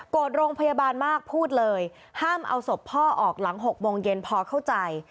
โรงพยาบาลมากพูดเลยห้ามเอาศพพ่อออกหลัง๖โมงเย็นพอเข้าใจ